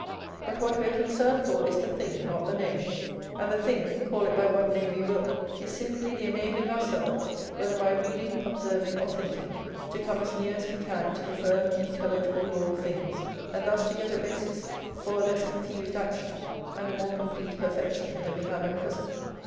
But what we are concerned for is the thing, not the name; and the thing, call it by what name we will, is simply the enabling ourselves, whether by reading, observing, or thinking, to come as near as we can to the firm intelligible law of things, and thus to get a basis for a less confused action and a more complete perfection than we have at present.